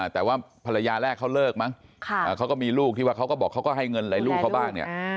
แต่ว่าภรรยาแรกเขาเลิกมั้งเขาก็มีลูกที่ว่าเขาก็บอกเขาก็ให้เงินอะไรลูกเขาบ้างเนี่ย